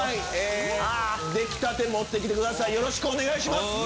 出来たて持って来てくださいよろしくお願いします。